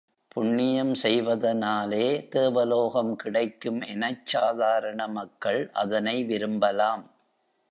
புண்ணியம் செய்வதனாலே தேவலோகம் கிடைக்கும் எனச் சாதாரண மக்கள் அதனை விரும்பலாம்.